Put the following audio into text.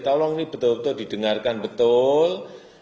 tolong ini betul betul didengarkan betul